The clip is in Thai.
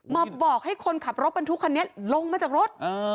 บอกให้คนขับรถบรรทุกคันนี้ลงมาจากรถ